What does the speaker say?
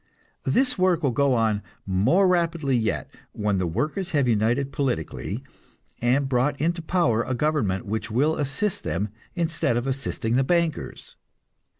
This work will go on more rapidly yet when the workers have united politically, and brought into power a government which will assist them instead of assisting the bankers.